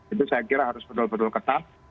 itu saya kira harus betul betul ketat